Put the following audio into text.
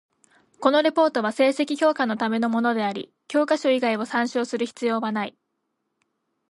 このレポートは成績評価のためのものであり、教科書以外を参照する必要なない。